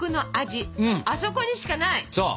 そう！